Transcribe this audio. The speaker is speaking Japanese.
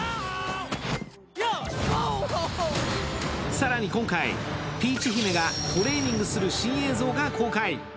更に今回、ピーチ姫がトレーニングする新映像が公開。